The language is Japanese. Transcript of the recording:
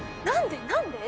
何で？